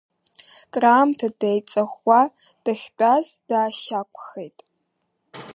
Краамҭа деиҵаӷәӷәа дахьтәаз даашьақәхеит.